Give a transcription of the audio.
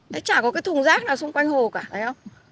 đấy chả có cái thùng rác nào xung quanh hồ cả đấy không